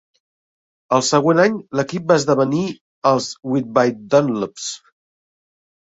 El següent any, l'equip va esdevenir els Whitby Dunlops.